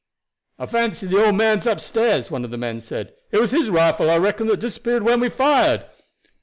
"I fancy the old man's upstairs," one of the men said. "It was his rifle, I reckon, that disappeared when we fired."